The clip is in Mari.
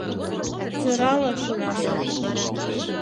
Сӧрале шона мо?